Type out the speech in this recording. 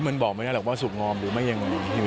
มันบอกไม่ได้หรอกว่าสุดงอมรึไม่ยังอยู่